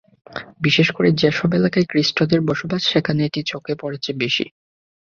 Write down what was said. বিশেষ করে যেসব এলাকায় খ্রিষ্টানদের বসবাস, সেখানে এটি চোখে পড়ছে বেশি।